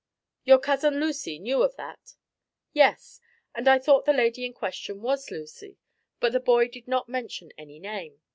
"Your cousin Lucy knew of that?" "Yes. And I thought the lady in question was Lucy, but the boy did not mention any name.